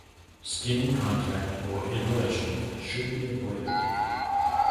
Skin contact or inhalation should be avoided.